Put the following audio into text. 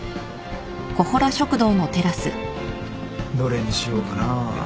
どれにしようかなぁ。